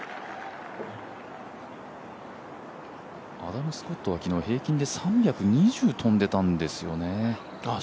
アダム・スコットは昨日平均で３２０飛んでたんですよね。